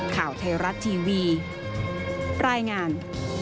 ข่าวไทยรัฐทีวีรายงาน